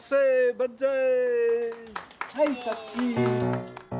ばんざい！